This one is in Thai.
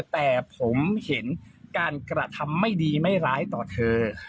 แต่ผมเห็นการกระทำไม่ดีไม่ร้ายต่อเธอ